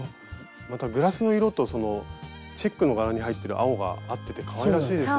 またグラスの色とチェックの柄に入ってる青が合っててかわいらしいですね。